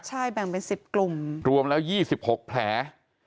ใช่แบ่งเป็น๑๐กลุ่มรวมแล้ว๒๖แผล